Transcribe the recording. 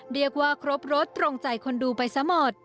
เรียกว่าครบรสตรงใจคนดูไปซะหมด